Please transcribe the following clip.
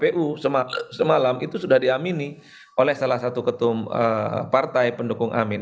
kpu semalam itu sudah diamini oleh salah satu ketum partai pendukung amin